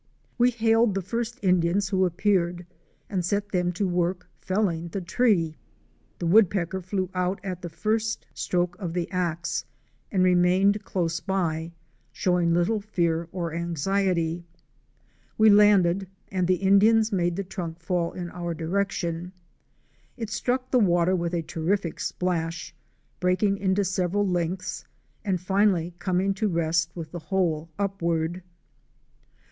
We hailed the first Indians who appeared and set them to work felling the tree. The Woodpecker flew out at the first stroke of the axe, and remained close by, showing little fear or anxiety. We landed and the Indians made the trunk fall in our direction. It struck the water with a terrific splash, breaking into several lengths, and finally coming to rest with the hole upward.